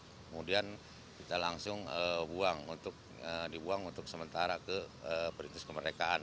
kemudian kita langsung dibuang untuk sementara ke perintis kemerdekaan